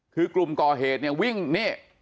คือกลุ่มกอเหตุวิ่งนี่